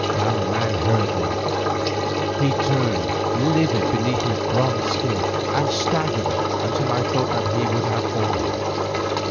The man heard me; he turned livid beneath his bronzed skin and staggered until I thought that he would have fallen.